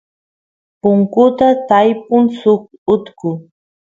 punkuta tiypun suk utku